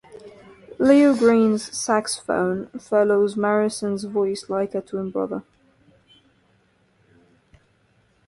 Leo Green's saxophone follows Morrison's voice like a twin brother.